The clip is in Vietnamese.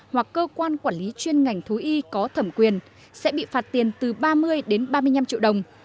hoặc cơ quan quản lý chuyên ngành thú y có thẩm quyền sẽ bị phạt tiền từ ba mươi đến ba mươi năm triệu đồng